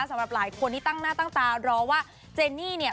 สำหรับหลายคนที่ตั้งหน้าตั้งตารอว่าเจนี่เนี่ย